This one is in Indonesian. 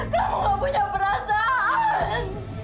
kamu tidak punya perasaan